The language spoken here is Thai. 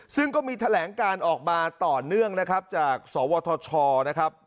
ซึ่งก็มีแถลงการออกมาต่อเนื่องนะครับจากสวทชนะครับ